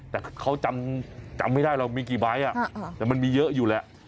แต่เขาจำไม่ได้เลยว่ามันมีกี่ใบน่ะ